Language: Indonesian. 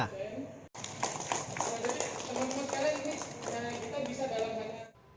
kita bisa dalam hanya